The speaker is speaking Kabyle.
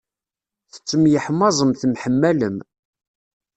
Tettemyeḥmaẓem temḥemmalem.